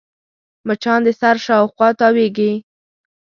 مچان د سر شاوخوا تاوېږي